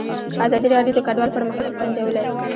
ازادي راډیو د کډوال پرمختګ سنجولی.